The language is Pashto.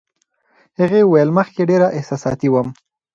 هغې وویل، مخکې ډېره احساساتي وم.